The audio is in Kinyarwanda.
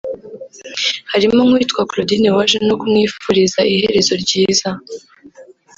harimo nk’uwitwa Claudine waje no kumwifuriza iherezo ryiza